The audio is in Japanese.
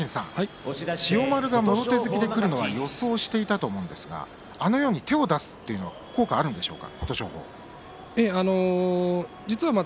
千代丸がもろ手突きでくるのを予想していたと思うんですがあのように手を出すのは効果があるんでしょうか？